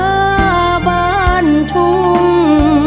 สัญญาบ้านทุ่ม